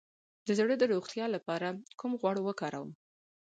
د زړه د روغتیا لپاره کوم غوړ وکاروم؟